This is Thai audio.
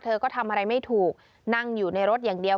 เธอก็ทำอะไรไม่ถูกนั่งอยู่ในรถอย่างเดียว